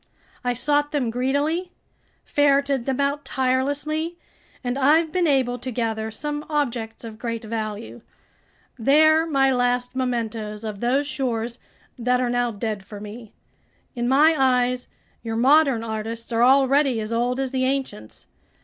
I sought them greedily, ferreted them out tirelessly, and I've been able to gather some objects of great value. They're my last mementos of those shores that are now dead for me. In my eyes, your modern artists are already as old as the ancients.